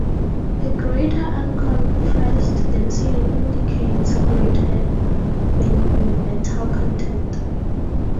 A greater uncompressed density indicates greater metal content.